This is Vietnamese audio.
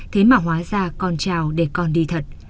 thế mà hóa ra con trào để con đi thật